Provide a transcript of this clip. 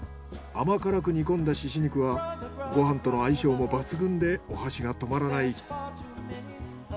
甘辛く煮込んだ猪肉はご飯との相性も抜群でお箸が止まらない。